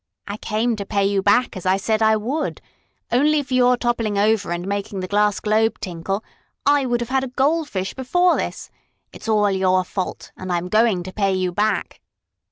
"I came to pay you back, as I said I would! Only for your toppling over and making the glass globe tinkle, I would have had a goldfish before this. It's all your fault, and I'm going to pay you back!"